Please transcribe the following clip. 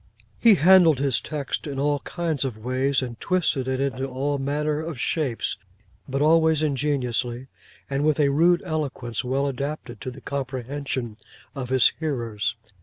He handled his text in all kinds of ways, and twisted it into all manner of shapes; but always ingeniously, and with a rude eloquence, well adapted to the comprehension of his hearers.